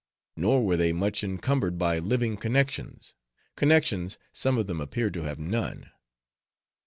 Nor were they much encumbered by living connections; connections, some of them appeared to have none.